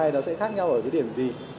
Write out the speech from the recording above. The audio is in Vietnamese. nó sẽ khác nhau ở cái điểm gì